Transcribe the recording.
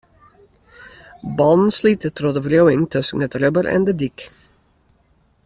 Bannen slite troch de wriuwing tusken it rubber en de dyk.